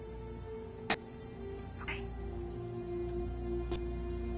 はい。